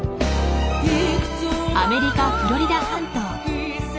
アメリカフロリダ半島。